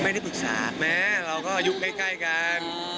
ไม่ได้ปรึกษาแม้เราก็อายุใกล้กัน